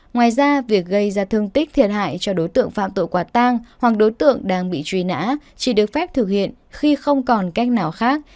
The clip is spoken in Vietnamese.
ngoài ra việc gây ra thương tích thiệt hại cho đối tượng phạm tội quả tang hoặc đối tượng đang bị truy nã chỉ được phép thực hiện khi không còn cách nào khác